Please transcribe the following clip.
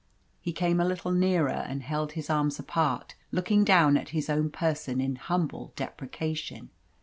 He came a little nearer and held his arms apart, looking down at his own person in humble deprecation.